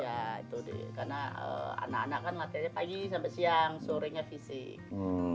karena anak anak kan latih pagi sampai siang sorenya fisik